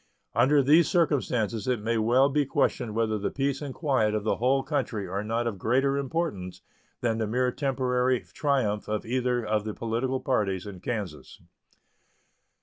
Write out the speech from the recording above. Under these circumstances it may well be questioned whether the peace and quiet of the whole country are not of greater importance than the mere temporary triumph of either of the political parties in Kansas.